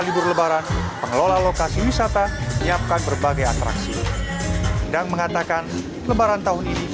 libur lebaran pengelola lokasi wisata menyiapkan berbagai atraksi endang mengatakan lebaran tahun ini